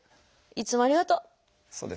いつもありがとう。